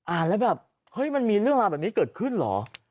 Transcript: แล้วแบบเฮ้ยมันมีเรื่องราวแบบนี้เกิดขึ้นเหรอ